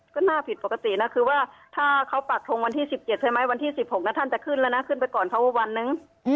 ก็น่าผิดปกตินะคือว่าถ้าเขาปักทงวันที่๑๗ใช่ไหมวันที่๑๖แล้วท่านจะขึ้นแล้วนะขึ้นไปก่อนเพราะว่าวันนึง